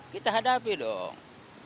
kita hadapi dong